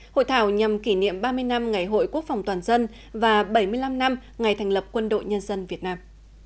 hội thảo nhằm kỷ niệm ba mươi năm ngày hội quốc phòng toàn dân và bảy mươi năm năm ngày thành lập quân đội nhân dân việt nam